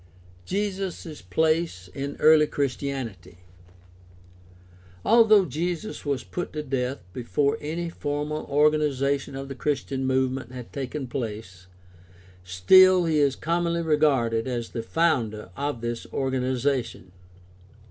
Jesus' place in early Christianity. — ^Although Jesus was put to death before any formal organization of the Christian movement had taken place, still he is commonly regarded as the founder of this organization.